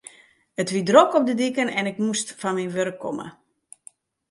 It wie drok op de diken en ik moast fan myn wurk komme.